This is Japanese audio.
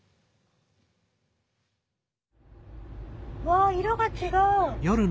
わ色が違う。